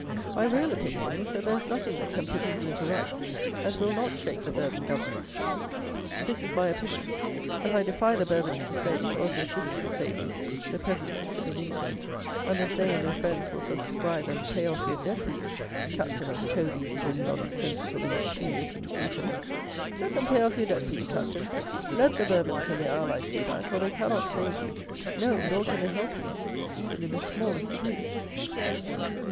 My real opinion is, that there is nothing that can put England to rights, that will not shake the Bourbon Government. This is my opinion; but I defy the Bourbons to save, or to assist in saving, the present system in England, unless they and their friends will subscribe and pay off your debt for you, Captain of toad eating and nonsensical and shoe licking Eton! Let them pay off your debt for you, Captain; let the Bourbons and their allies do that; or they cannot save you; no, nor can they help you, even in the smallest degree.